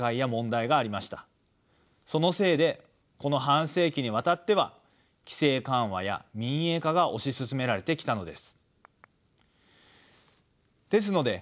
そのせいでこの半世紀にわたっては規制緩和や民営化が押し進められてきたのです。